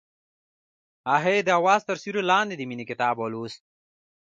هغې د اواز تر سیوري لاندې د مینې کتاب ولوست.